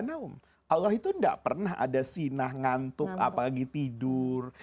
allahum allah itu tidak pernah ada sinah ngantuk apalagi tidur